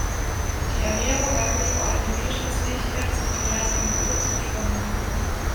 Die Armierung erhöht vor allem die Widerstandsfähigkeit des Materials gegenüber Zugspannungen.